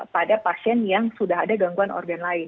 pada pasien yang sudah ada gangguan organ lain